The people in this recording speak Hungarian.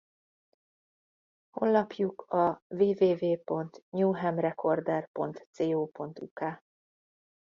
Honlapjuk a www.newhamrecorder.co.uk.